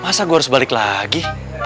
masa gue harus balik lagi